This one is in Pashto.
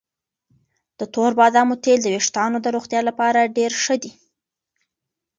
د تور بادامو تېل د ویښتانو د روغتیا لپاره ډېر ښه دي.